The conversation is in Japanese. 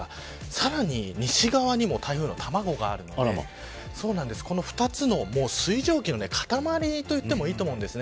さらに西側にも台風の卵があるのでこの２つの水蒸気の塊といってもいいと思うんです。